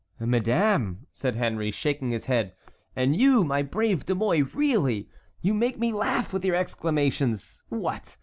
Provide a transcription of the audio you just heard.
"Madame," said Henry, shaking his head, "and you, my brave De Mouy, really, you make me laugh with your exclamations. What!